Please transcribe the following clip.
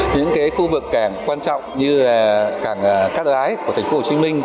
những khu vực cảng quan trọng như là cảng cát lái của tp hcm